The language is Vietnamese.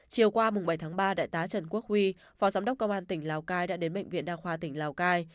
chiều qua bảy tháng ba đại tá trần quốc huy phó giám đốc công an tỉnh lào cai đã đến bệnh viện đa khoa tỉnh lào cai